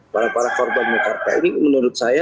para para korban mekarta ini menurut saya